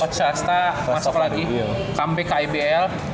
coach shasta masuk lagi kembali ke ibl